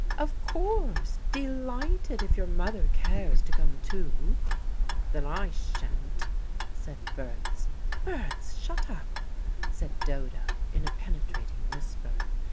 Of course, delighted if your mother cares to come, too " "Then I shan't," said Berts. "Berts, shut up," said Dodo in a penetrating whisper.